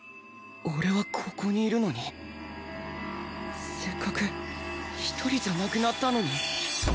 俺はここにいるのにせっかく一人じゃなくなったのに